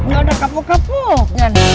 gak ada kapok kapok